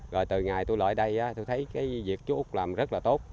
rồi từ ngày tôi lại đây tôi thấy cái việc chú úc làm rất là tốt